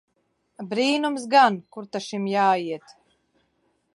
Brīnums gan! Kur ta šim jāiet!